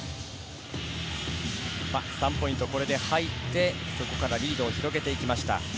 ３ポイント入って、そこからリードを広げていきました。